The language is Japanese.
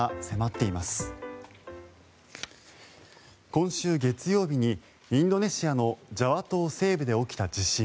今週月曜日にインドネシアのジャワ島西部で起きた地震。